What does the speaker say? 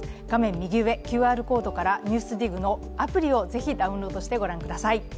右上、ＱＲコードから「ＮＥＷＳＤＩＧ」のアプリをぜひ、ダウンロードしてご覧ください。